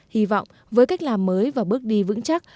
hy vọng với cách làm mới và bước đi vững chắc